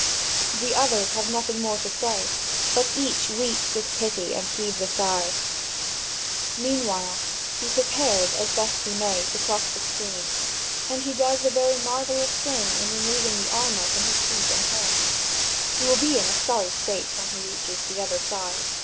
The others have nothing more to say; but each weeps with pity and heaves a sigh. Meanwhile he prepares, as best he may, to cross the stream, and he does a very marvellous thing in removing the armour from his feet and hands. He will be in a sorry state when he reaches the other side.